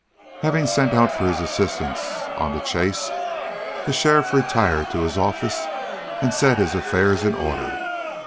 Having sent out for his assistants on the chase, the sheriff retired to his office and set his affairs in order.